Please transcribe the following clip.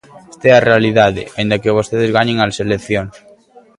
Esta é a realidade, aínda que vostedes gañen as eleccións.